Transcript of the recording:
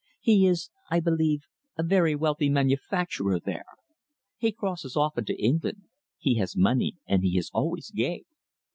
He is, I believe, a very wealthy manufacturer there. He crosses often to England. He has money, and he is always gay."